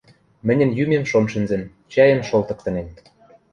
Мӹньӹн йӱмем шон шӹнзӹн, чӓйӹм шолтыктынем.